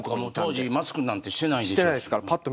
当時マスクなんてしてないですよね。